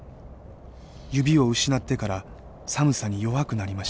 指を失ってから寒さに弱くなりました。